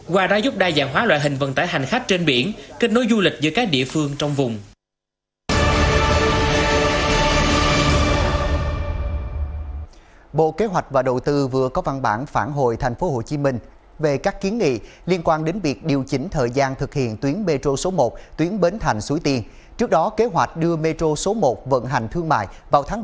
qua ra giúp đa dạng hóa loại hình vận tải hành khách trên biển kết nối du lịch giữa các địa phương trong vùng